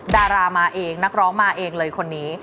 ดารามาเองนักร้องมาเองเลยคนนี้